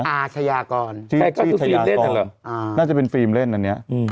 เป็นน่าจะเป็นฟิล์มเล่นอันเนี้ย